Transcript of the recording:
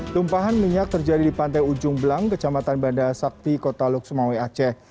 tumpahan minyak terjadi di pantai ujung belang kecamatan banda sakti kota luksumawe aceh